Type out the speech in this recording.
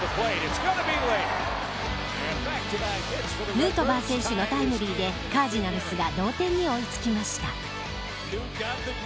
ヌートバー選手のタイムリーでカージナルスが同点に追いつきました。